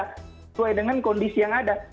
sesuai dengan kondisi yang ada